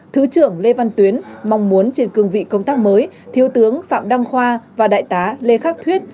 thứ trưởng lê văn tuyến mong muốn trên cương vị công tác mới thiếu tướng phạm đăng khoa và đại tá lê khắc thuyết